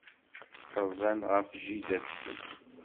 Rzan ɣef jida-tsen.